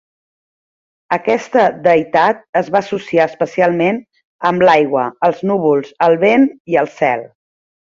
Aquesta deïtat es va associar especialment amb l"aigua, els núvols, el vent i el cel.